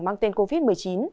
mang tên covid một mươi chín